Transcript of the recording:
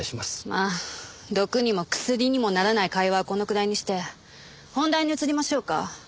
まあ毒にも薬にもならない会話はこのくらいにして本題に移りましょうか。